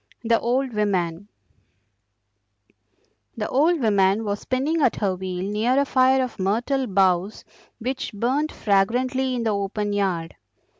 THE OLD WOMAN The old woman was spinning at her wheel near a fire of myrtle boughs which burnt fragrantly in the open yard.